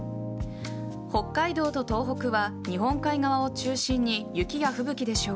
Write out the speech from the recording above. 北海道と東北は日本海側を中心に雪や吹雪でしょう。